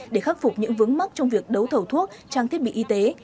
để khắc phục những vướng mắc trong việc đấu thầu thuốc trang thiết bị y tế